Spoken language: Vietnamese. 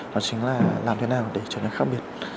đó chính là làm thế nào để trở nên khác biệt